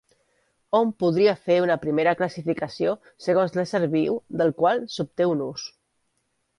Hom podria fer una primera classificació segons l'ésser viu del qual s'obté un ús.